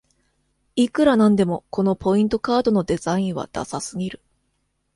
いくらなんでもこのポイントカードのデザインはダサすぎる